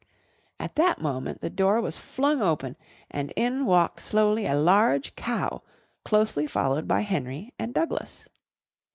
At that moment the door was flung open and in walked slowly a large cow closely followed by Henry and Douglas.